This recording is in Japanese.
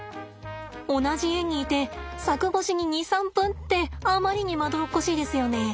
同じ園にいて柵越しに２３分ってあまりにまどろっこしいですよね。